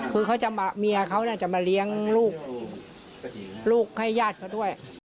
คือเขาจะมาเมียเขาเนี้ยจะมาเลี้ยงลูกลูกให้ญาติเขาด้วย